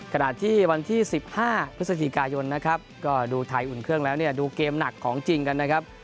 ก็ดูไทยอุ่นเครื่องแล้วดูเกมหนักของจริงกันนะครับ